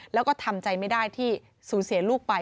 แล้วก็ทำใจไม่ได้ที่สูญเสียลูกไป